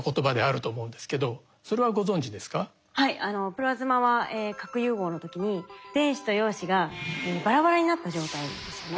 プラズマは核融合の時に電子と陽子がバラバラになった状態ですよね。